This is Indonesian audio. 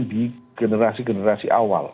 di generasi generasi awal